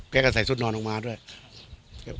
แกก็ใส่ชุดนอนออกมาด้วย